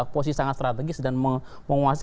posisi sangat strategis dan menguasai